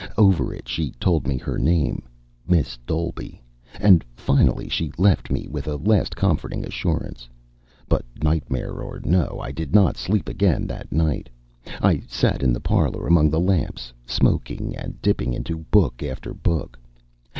Over it she told me her name Miss Dolby and finally she left me with a last comforting assurance. But, nightmare or no, I did not sleep again that night. I sat in the parlor among the lamps, smoking and dipping into book after book.